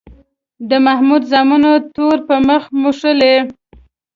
د محمود زامنو تور په مخ موښلی.